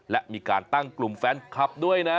และมีการตั้งกลุ่มแฟนคลับด้วยนะ